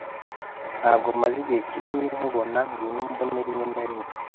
Ntabwo maze igihe kinini nkubona. Ngwino umbone rimwe na rimwe.